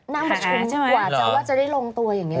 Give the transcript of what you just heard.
น่ามาชลุกกว่าจะได้ลงตัวอย่างนี้